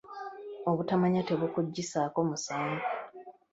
Obutamanya tebukuggyisaako musango.